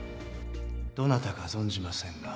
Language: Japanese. どなたか存じませんが